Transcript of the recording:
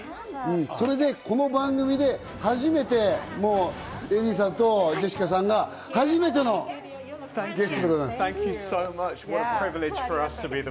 それで、この番組で初めてエディさんとジェシカさんがゲストでございます。